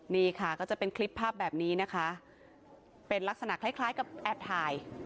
นี่ค่ะก็จะเป็นคลิปภาพแบบนี้นะคะเป็นลักษณะคล้ายคล้ายกับแอบถ่าย